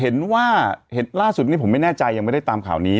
เห็นว่าล่าสุดนี้ผมไม่แน่ใจยังไม่ได้ตามข่าวนี้